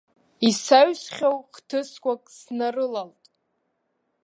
Исаҩсхьоу хҭысқәак снарылалт.